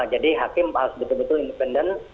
jadi hakim harus betul betul independen